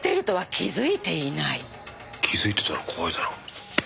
気づいてたら怖いだろ。